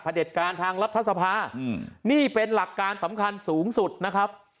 เด็จการทางรัฐสภานี่เป็นหลักการสำคัญสูงสุดนะครับ